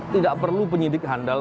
tidak perlu penyidik handal